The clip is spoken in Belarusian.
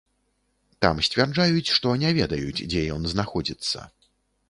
Там сцвярджаюць, што не ведаюць, дзе ён знаходзіцца.